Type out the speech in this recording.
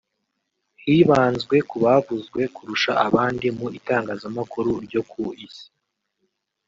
hibanzwe ku bavuzwe kurusha abandi mu itangazamakuru ryo ku isi